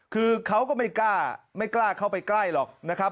คือเขาก็ไม่กล้าไม่กล้าเข้าไปใกล้หรอกนะครับ